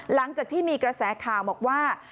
หลังจากที่มีกระแสข่าวบอกว่า